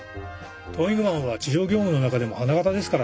トーイングマンは地上業務の中でも花形ですからね。